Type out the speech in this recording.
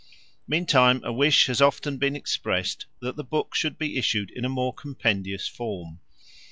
Meantime a wish has often been expressed that the book should be issued in a more compendious form.